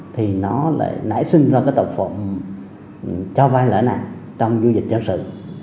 thì nó lại nảy sinh ra cái tàu phộng cho vai lỡ nặng trong du dịch cháu sự